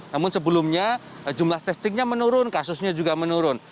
namun sebelumnya jumlah testingnya menurun kasusnya juga menurun